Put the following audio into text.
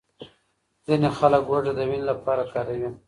ځینې خلک هوږه د وینې لپاره کاروي.